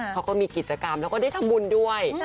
เขาก็มีกิจกรรมแล้วก็ได้ทำบุญด้วย